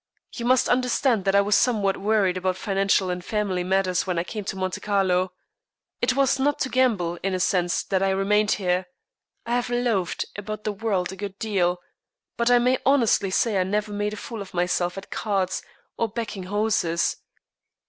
"You must understand that I was somewhat worried about financial and family matters when I came to Monte Carlo. It was not to gamble, in a sense, that I remained here. I have loafed about the world a good deal, but I may honestly say I never made a fool of myself at cards or backing horses.